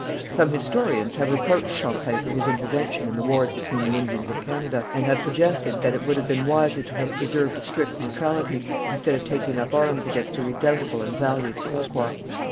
Some historians have reproached Champlain for his intervention in the wars between the Indians of Canada, and have suggested that it would have been wiser to have preserved a strict neutrality, instead of taking up arms against the redoubtable and valiant Iroquois.